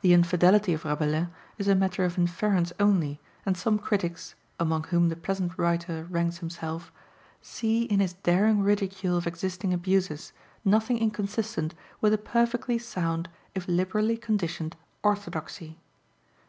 The infidelity of Rabelais is a matter of inference only, and some critics (among whom the present writer ranks himself) see in his daring ridicule of existing abuses nothing inconsistent with a perfectly sound, if liberally conditioned, orthodoxy.